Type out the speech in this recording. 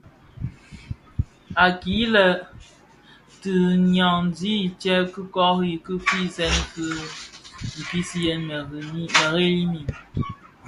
Akilè le tinyamtis tyè kori ki firès fi pisiyèn merėli mii.